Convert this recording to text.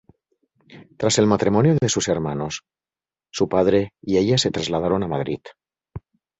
Tras el matrimonio de sus hermanos, su padre y ella se trasladaron a Madrid.